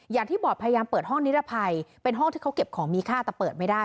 อย่างที่บอร์ดพยายามเปิดห้องนิรภัยเป็นห้องที่เขาเก็บของมีค่าแต่เปิดไม่ได้